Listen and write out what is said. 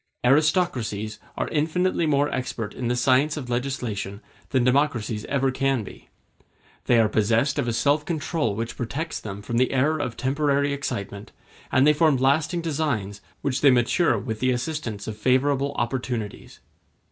Aristocracies are infinitely more expert in the science of legislation than democracies ever can be. They are possessed of a self control which protects them from the errors of temporary excitement, and they form lasting designs which they mature with the assistance of favorable opportunities.